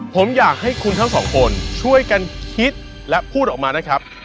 ผมอยากให้คุณทั้งสองคนช่วยกันคิดและพูดออกมานะครับ